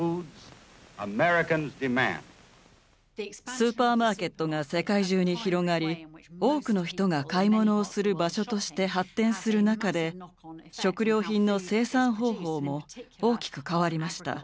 スーパーマーケットが世界中に広がり多くの人が買い物をする場所として発展する中で食料品の生産方法も大きく変わりました。